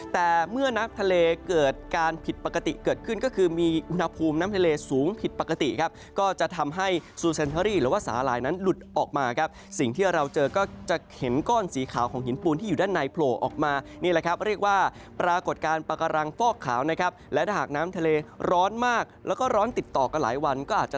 แต่เมื่อน้ำทะเลเกิดการผิดปกติเกิดขึ้นก็คือมีอุณหภูมิน้ำทะเลสูงผิดปกติครับก็จะทำให้ซูเซนเอรี่หรือว่าสาหร่ายนั้นหลุดออกมาครับสิ่งที่เราเจอก็จะเห็นก้อนสีขาวของหินปูนที่อยู่ด้านในโผล่ออกมานี่แหละครับเรียกว่าปรากฏการณ์ปากการังฟอกขาวนะครับและถ้าหากน้ำทะเลร้อนมากแล้วก็ร้อนติดต่อกันหลายวันก็อาจจะ